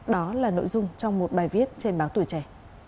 đó là nội dung trong một bài viết trên báo tuổi trẻ